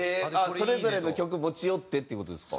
それぞれの曲持ち寄ってっていう事ですか？